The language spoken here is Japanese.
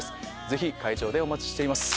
ぜひ会場でお待ちしています。